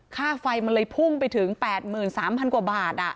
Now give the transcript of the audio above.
ค่าไฟมันเลยพุ่งไปถึง๘๓๐๐กว่าบาท